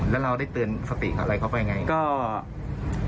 แล้วเราได้เตือนสติกับอะไรเข้าไปอย่างไร